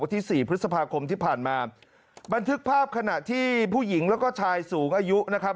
ที่สี่พฤษภาคมที่ผ่านมาบันทึกภาพขณะที่ผู้หญิงแล้วก็ชายสูงอายุนะครับ